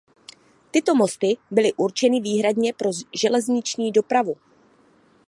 Tyto mosty byly určeny výhradně pro železniční dopravu.